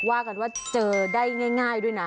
ว่ากันว่าเจอได้ง่ายด้วยนะ